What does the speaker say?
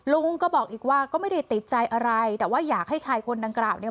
ลุงก็บอกอีกว่าก็ไม่ได้ติดใจอะไรแต่ว่าอยากให้ชายคนดังกล่าวเนี่ย